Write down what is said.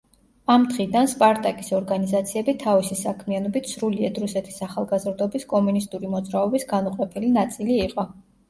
ამ დღიდან „სპარტაკის“ ორგანიზაციები თავისი საქმიანობით სრულიად რუსეთის ახალგაზრდობის კომუნისტური მოძრაობის განუყოფელი ნაწილი იყო.